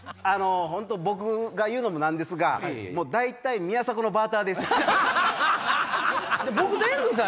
僕が言うのも何ですが大体宮迫のバーターです。